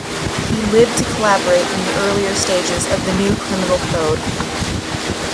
He lived to collaborate in the earlier stages of the new criminal code.